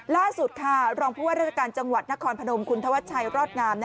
ล่าสุดค่ะรองผู้ว่าราชการจังหวัดนครพนมคุณธวัชชัยรอดงาม